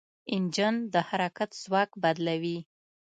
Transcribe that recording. انجن د حرارت ځواک بدلوي.